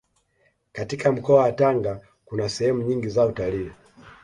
katika mkoa wa Tanga kuna sehemu nyingi za utalii